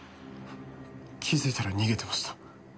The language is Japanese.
気づいたら逃げてました。